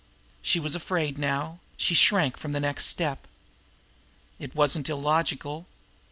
She was afraid now; she shrank from the next step. It wasn't illogical.